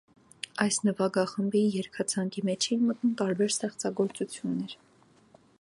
Այս նվագախմբի երգացանկի մեջ էին մտնում տարբեր ստեղծագործություններ։